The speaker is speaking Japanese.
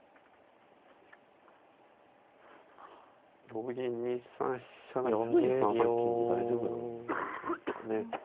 同銀２三飛車成すぐに３三金で大丈夫なんでしょうかね。